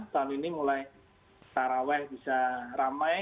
tahun ini mulai taraweh bisa ramai